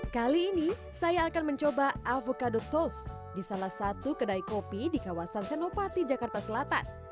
kali ini saya akan mencoba avocadoc toast di salah satu kedai kopi di kawasan senopati jakarta selatan